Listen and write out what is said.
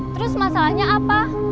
terus masalahnya apa